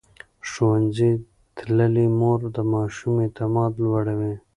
ښوونځې تللې مور د ماشوم اعتماد لوړوي.